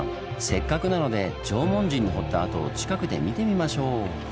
せっかくなので縄文人の掘った跡を近くで見てみましょう！